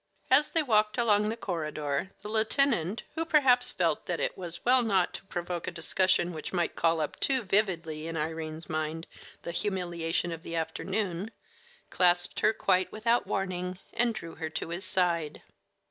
As they walked along the corridor, the lieutenant, who perhaps felt that it was well not to provoke a discussion which might call up too vividly in Irene's mind the humiliation of the afternoon, clasped her quite without warning, and drew her to his side.